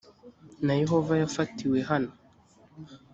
na yehova yafatiwe hano